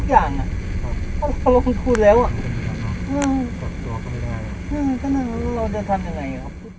ถ้าเราลงทุนแล้วเราจะทำยังไง